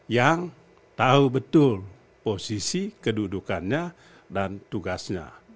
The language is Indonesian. yang tahu betul posisi kedudukannya dan tugasnya